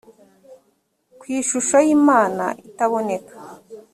ku ishusho y imana itaboneka